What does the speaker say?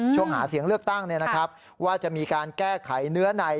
หาเสียงเลือกตั้งว่าจะมีการแก้ไขเนื้อใน